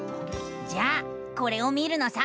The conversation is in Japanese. じゃあこれを見るのさ！